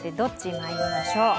まいりましょう。